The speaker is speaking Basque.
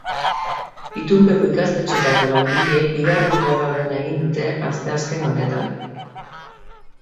Itunpeko ikastetxeetako langileek bigarren greba eguna egin dute asteazken honetan.